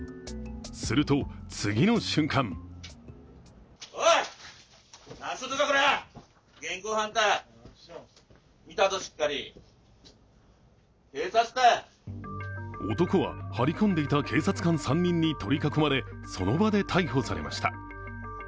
すると次の瞬間男は張り込んでいた警察官３人に取り囲まれ、その場で逮捕されました。